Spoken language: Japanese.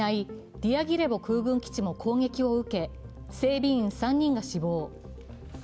ディアギレボ空軍基地も攻撃を受け整備員３人が死亡。